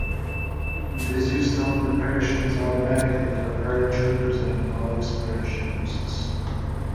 It is used to open parachutes automatically for paratroopers and novice parachutists.